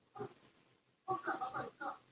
มันสั่นถึงบ้านไงนะ